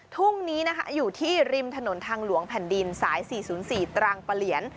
ทุ่งนี้นะคะอยู่ที่ริมถนนทางหลวงแผ่นดินสาย๔๐๔ตรังปะเหลียน